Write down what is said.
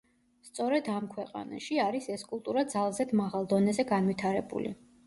სწორედ ამ ქვეყანაში, არის ეს კულტურა ძალზედ მაღალ დონეზე განვითარებული.